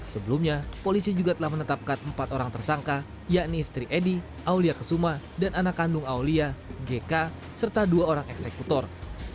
sebelumnya polisi juga telah menetapkan empat orang tersangka yakni istri edy aulia kesuma dan anak kandung aulia gk serta dua orang eksekutor